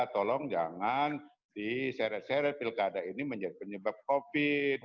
tolong jangan diseret seret pilkada ini menjadi penyebab covid